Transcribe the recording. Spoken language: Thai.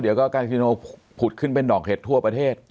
เดี๋ยวก็กาซิโนผุดขึ้นเป็นดอกเห็ดทั่วประเทศ